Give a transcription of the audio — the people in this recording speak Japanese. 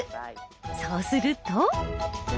そうすると。